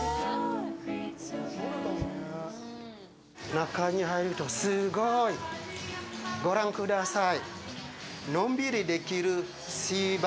中に入ると、すごい。ご覧ください！